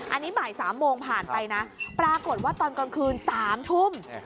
อันนี้บ่าย๓โมงผ่านไปนะปรากฏว่าตอนกลางคืน๓ทุ่ม